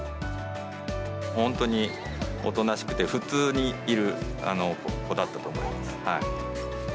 本当におとなしくて、普通にいる子だったと思います。